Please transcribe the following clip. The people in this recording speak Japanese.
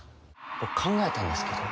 僕考えたんですけど。